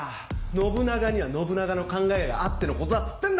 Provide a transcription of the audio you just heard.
信長には信長の考えがあってのことだっつってんだろ！